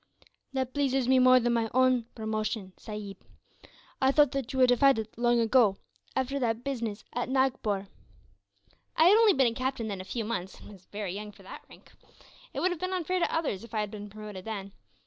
"That pleases me more than my own promotion, sahib. I thought that you would have had it long ago, after that business at Nagpore." "I had only been a captain then a few months, and was very young for that rank. It would have been unfair to others if I had been promoted then.